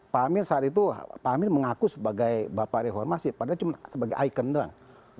pak amin saat itu mengaku sebagai bapak reformasi padahal cuma sebagai icon doang